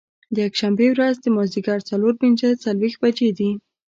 د یکشنبې ورځ د مازدیګر څلور پنځه څلوېښت بجې دي.